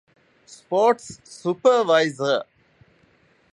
ސްޕޯރޓްސް ސުޕަރވައިޒަރ